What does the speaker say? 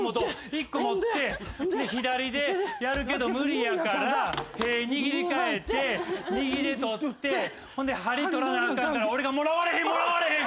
１個持って左でやるけど無理やから屁にぎりかえて右でとってほんで針取らなあかんから俺がもらわれへんもらわれへん！